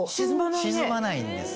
沈まないんです。